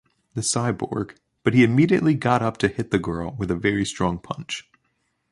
The cyborg, but he immediately got up to hit the girl with a very strong punch.